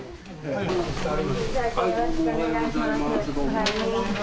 よろしくお願いします。